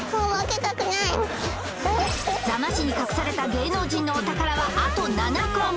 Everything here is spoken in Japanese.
座間市に隠された芸能人のお宝はあと７個！